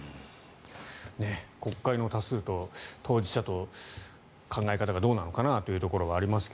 国会の多数と当事者と考え方がどうなのかなというところはありますが。